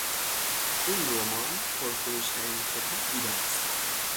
این رمان پرفروشترین کتاب بوده است.